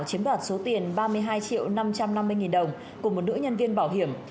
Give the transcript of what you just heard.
chiếm đoạt số tiền ba mươi hai triệu năm trăm năm mươi nghìn đồng của một nữ nhân viên bảo hiểm